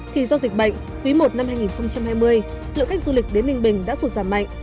thì do dịch bệnh quý i năm hai nghìn hai mươi lượng khách du lịch đến ninh bình đã sụt giảm mạnh